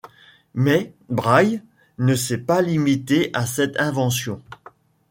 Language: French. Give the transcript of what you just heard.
Mais Braille ne s’est pas limité à cette invention.